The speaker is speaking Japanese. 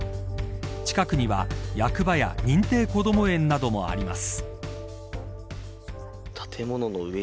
近くには、役場や認定こども園などもあります。